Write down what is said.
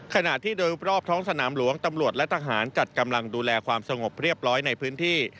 ขณะที่โดยรอบท้องสนามหลวงตำรวจและทหารจัดกำลังดูแลความสงบเรียบร้อยในพื้นที่